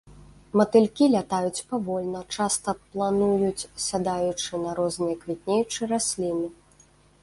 Матылькі лятаюць павольна, часта плануюць, сядаючы на розныя квітнеючыя расліны.